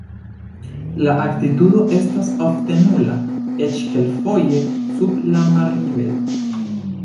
La altitudo estas ofte nula, eĉ kelkfoje sub la marnivelo.